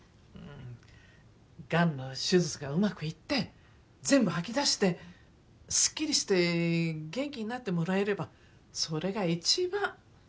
がんの手術がうまくいって全部吐き出してすっきりして元気になってもらえればそれが一番。